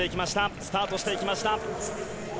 スタートしていきました。